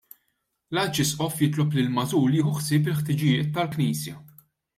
L-Arċisqof jitlob li l-magħżul jieħu ħsieb il-ħtiġijiet tal-Knisja.